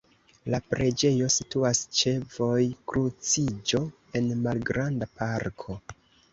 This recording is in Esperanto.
La preĝejo situas ĉe vojkruciĝo en malgranda parko.